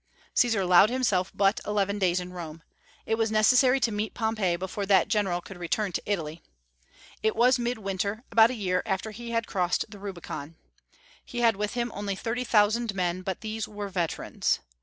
Caesar allowed himself but eleven days in Rome. It was necessary to meet Pompey before that general could return to Italy. It was mid winter, about a year after he had crossed the Rubicon. He had with him only thirty thousand men, but these were veterans.